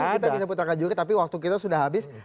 meskipun tadi kita bisa putarkan juga tapi waktu kita sudah habis